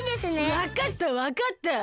わかったわかった。